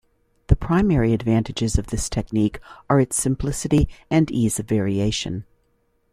The primary advantages of this technique are its simplicity and ease of variation.